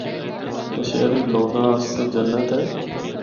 تے شہری لوگاں آسطے جنّت اے۔